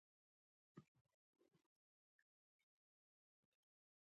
د فلزونو زنګ وهل د فلزونو پر له پسې خرابیدو لامل ګرځي.